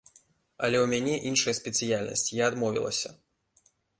Але ў мяне іншая спецыяльнасць, я адмовілася.